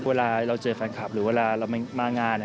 เวลาเราเจอแฟนคลับหรือเวลาเรามางาน